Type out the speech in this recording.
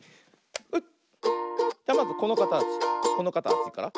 じゃまずこのかたちこのかたちから。